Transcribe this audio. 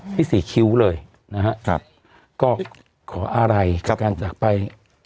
ที่สี่คิ้วเลยนะฮะก็ขออะไรกับการจากไป